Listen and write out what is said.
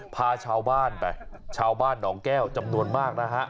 พาชาวบ้านไปชาวบ้านหนองแก้วจำนวนมากนะฮะ